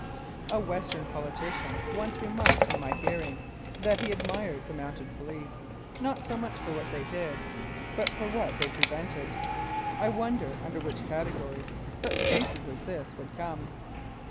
A Western politician once remarked in my hearing that he admired the Mounted Police, not so much for what they did, but for what they prevented. I wonder under which category such cases as this would come